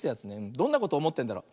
どんなことおもってんだろう。